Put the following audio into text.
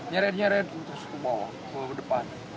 nyeret nyeret terus ke bawah ke depan